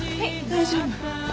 大丈夫？